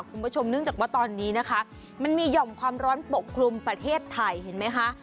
คุณผู้ชมเนื่องจากว่าตอนนี้นะคะมันมีห่อมความร้อนปกคลุมประเทศไทยเห็นไหมคะ